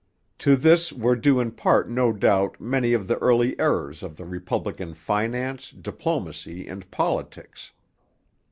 To this were due in part no doubt many of the early errors of the republic in finance, diplomacy, and politics.